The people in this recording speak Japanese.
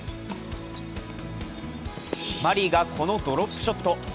マリーが、このドロップショット。